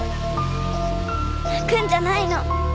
泣くんじゃないの。